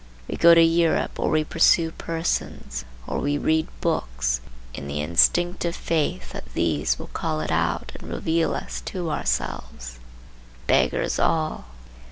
We go to Europe, or we pursue persons, or we read books, in the instinctive faith that these will call it out and reveal us to ourselves. Beggars all.